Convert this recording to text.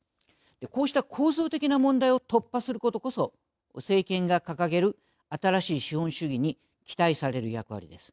こうした構造的な問題を突破することこそ政権が掲げる新しい資本主義に期待される役割です。